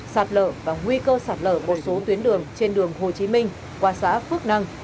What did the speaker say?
sạt lở và nguy cơ sạt lở một số tuyến đường trên đường hồ chí minh qua xã phước năng